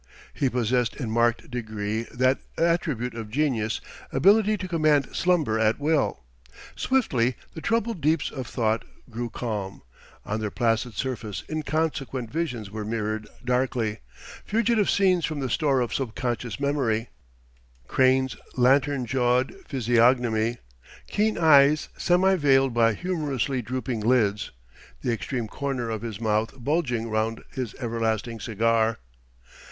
He possessed in marked degree that attribute of genius, ability to command slumber at will. Swiftly the troubled deeps of thought grew calm; on their placid surface inconsequent visions were mirrored darkly, fugitive scenes from the store of subconscious memory: Crane's lantern jawed physiognomy, keen eyes semi veiled by humorously drooping lids, the extreme corner of his mouth bulging round his everlasting cigar